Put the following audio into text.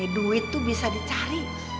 duit tuh bisa dicari